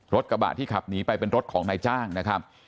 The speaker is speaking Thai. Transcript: รถกระบะที่ขับหนีไปเป็นรถของนายจ้างนะครับ